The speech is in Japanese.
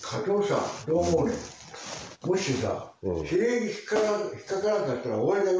もしさ、比例で引っ掛からなかったら終わりだよ。